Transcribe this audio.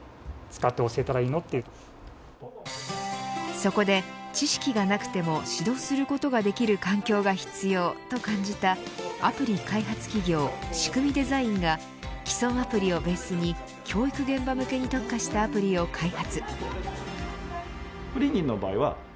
そこで、知識がなくても指導することができる環境が必要と感じたアプリ開発企業しくみデザインが既存のアプリをベースに教育現場向けに特化したアプリを開発。